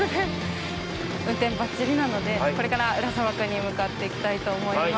運転ばっちりなのでこれから裏砂漠に向かっていきたいと思います。